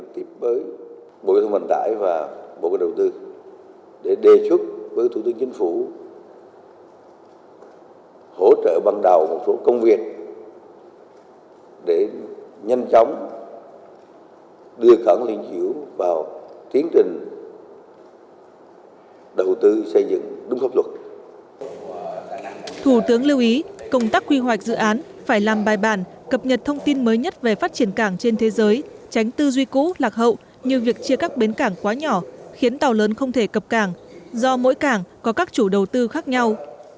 thủ tướng lưu ý công tác quy hoạch dự án phải làm bài bản cập nhật thông tin mới nhất về phát triển cảng trên thế giới tránh tư duy cũ lạc hậu như việc chia các bến cảng quá nhỏ khiến tàu lớn không thể cập cảng do mỗi cảng có các chủ đầu tư khác nhau